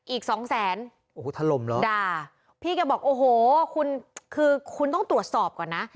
อีกสองแสนโอ้โหถล่มเหรอด่าพี่แกบอกโอ้โหคุณคือคุณต้องตรวจสอบก่อนนะ